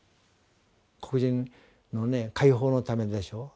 黒人の解放のためでしょう。